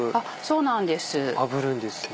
そうなんです。